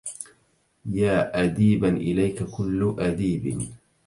يا أديبا إليه كل أديب